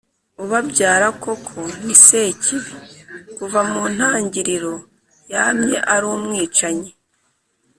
Ubabyara koko ni Sekibi,...Kuva mu ntangiriro yamye ari umwicanyi,